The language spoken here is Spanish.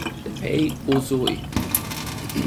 Teppei Usui